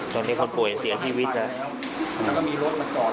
ตอนนี้คนป่วยเสียชีวิตแล้ว